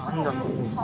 ここ。